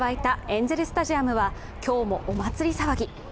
エンゼルスタジアムは今日もお祭り騒ぎ。